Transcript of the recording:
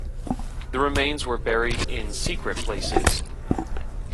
The remains were buried in secret places.